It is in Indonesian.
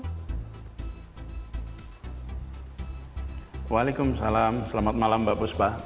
assalamualaikum assalamualaikum selamat malam mbak busbah